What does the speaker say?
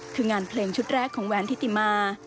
คืองานเพลงชุดแรกของแหวนทิติมา